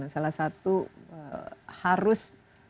salah satu harus